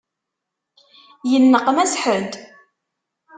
Yenneqmas ḥedd?